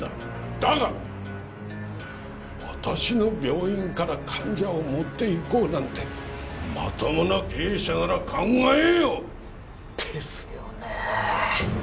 だが私の病院から患者を持っていこうなんてまともな経営者なら考えんよ！ですよね。